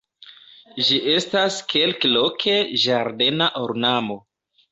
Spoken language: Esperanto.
Ĝi estas kelkloke ĝardena ornamo.